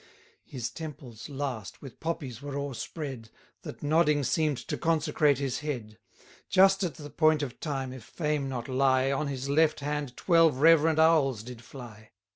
His temples, last, with poppies were o'erspread, That nodding seem'd to consecrate his head. Just at the point of time, if fame not lie, On his left hand twelve reverend owls did fly.